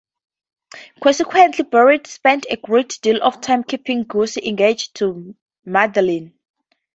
Consequently, Bertie spends a great deal of time keeping Gussie engaged to Madeline.